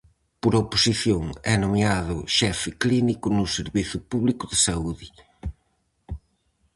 Por oposición, é nomeado Xefe Clínico no Servizo Público de Saúde.